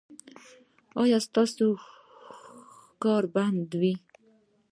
ایا ستاسو ښکار به بند وي؟